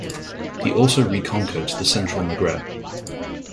He also reconquered the central Maghreb.